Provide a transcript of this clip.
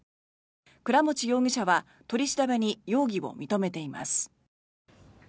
倉持容疑者は取り調べに容疑を認めています。